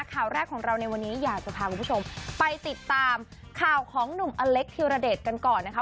ข่าวแรกของเราในวันนี้อยากจะพาคุณผู้ชมไปติดตามข่าวของหนุ่มอเล็กธิรเดชกันก่อนนะคะ